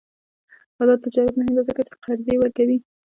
آزاد تجارت مهم دی ځکه چې قرضې ورکوي.